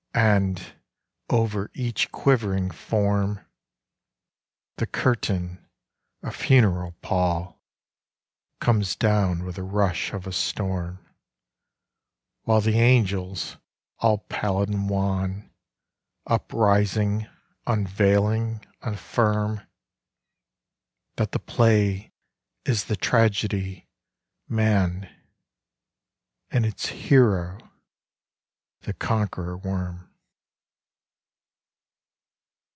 And, over each quivering form, The curtain, a funeral pall, Comes down with the rush of a storm, While the angels, all pallid and wan, Uprising, unveiling, affirmThat the play is the tragedy, 'Man,'And its hero the Conqueror Worm.